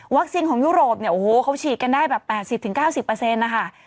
วัคซิงของยุโรปโอ้โหเขาฉีดกันได้แบบ๘๐๙๐นะคะ